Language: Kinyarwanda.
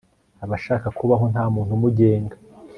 aba ashaka kubaho ntamuntu umugenga